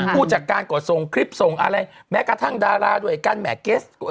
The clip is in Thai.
ผู้จัดการก็ส่งคลิปส่งอะไรแม้กระทั่งดาราด้วยกันแหม่เกส